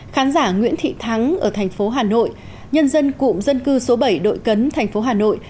khán giả nguyễn thị thắng ở thành phố hà nội nhân dân cụm dân cư số bảy đội cấn thành phố hà nội